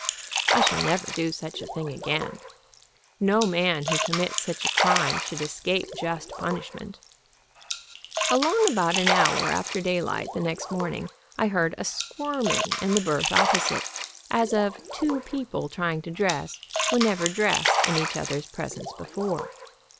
I shall never do such a thing again. No man who commits such a crime should escape just punishment. Along about an hour after daylight the next morning I heard a squirming in the berth opposite, as of two people trying to dress who never dressed in each other's presence before.